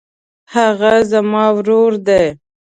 هغه زما ورور دی.